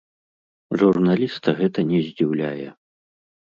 Журналіста гэта не здзіўляе.